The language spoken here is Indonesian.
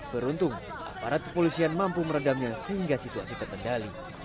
beruntung aparat kepolisian mampu meredamnya sehingga situasi terkendali